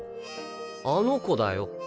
あの娘だよ。